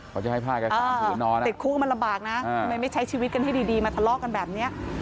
ติดคู่มันระบากนะทำไมไม่ใช้ชีวิตกันให้ดีมาทะเลาะกันแบบนี้